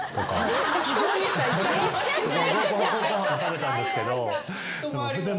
ご飯食べたんですけど。